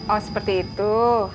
oh seperti itu